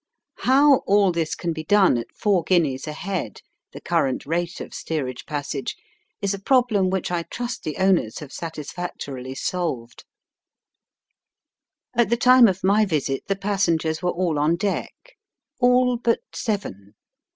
How all this can be done at four guineas a head, the current rate of steerage passage, is a problem which I trust the owners have satis factorily solved. Digitized by VjOOQIC 20 EAST BY WEST. At the time of my visit the passengers were all on deck — all but seven.